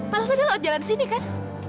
mana ada lewat jalan sini kan